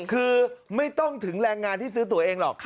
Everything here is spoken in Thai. คือไม่ต้องถึงแรงงานที่ซื้อตัวเองหรอก